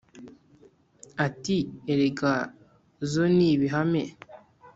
Ati: “Erega zo ni ibihame